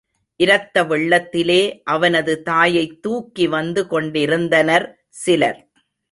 இரத்த வெள்ளத்திலே அவனது தாயைத் தூக்கி வந்து கொண்டிருந்தனர் சிலர்.